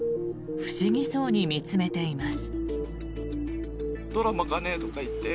不思議そうに見つめています。